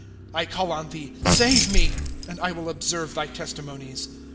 ^ I call on thee, save me ; And I will observe thy testimonies.